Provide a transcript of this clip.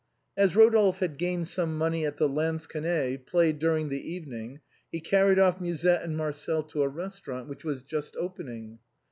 As Rodolphe had gained some money at the lansquenet played during the evening, he carried off Musette and Marcel to a restaurant which was just opening.